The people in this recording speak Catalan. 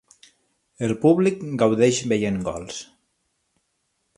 El públic gaudeix veient gols.